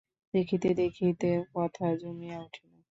দেখিতে দেখিতে কথা জমিয়া উঠিল।